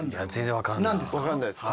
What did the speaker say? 分かんないですか？